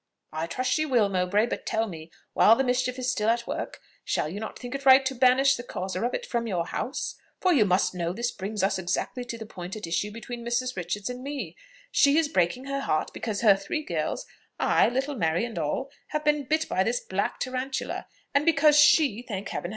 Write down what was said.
"I trust she will, Mowbray; but tell me, while the mischief is still at work, shall you not think it right to banish the causer of it from your house? For you must know this brings us exactly to the point at issue between Mrs. Richards and me. She is breaking her heart because her three girls ay, little Mary and all have been bit by this black tarantula; and because she (thank Heaven!)